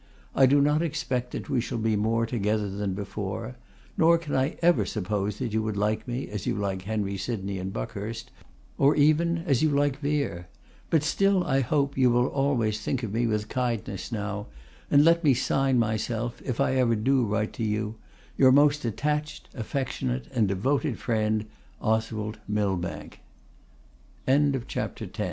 I do not expect that we shall be more together than before; nor can I ever suppose that you could like me as you like Henry Sydney and Buckhurst, or even as you like Vere; but still I hope you will always think of me with kindness now, and let me sign myself, if ever I do write to you, 'Your most attached, affectionate, and devoted friend, 'OSWALD